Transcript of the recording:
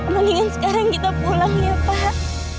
mendingan sekarang kita pulang ya pak